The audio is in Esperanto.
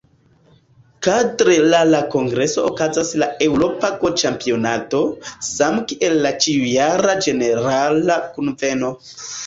Kadre la la kongreso okazas la "Eŭropa Go-Ĉampionado", same kiel la ĉiujara Ĝenerala Kunveno.